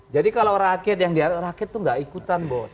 jadi kalau rakyat yang diarahkan rakyat itu nggak ikutan